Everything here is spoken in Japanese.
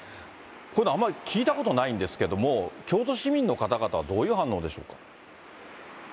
こういうのはあまり聞いたことないんですけれども、京都市民の方々はどういう反応でしょうか。